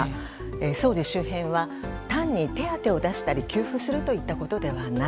総理周辺は単に手当を出したり給付するといったことではない。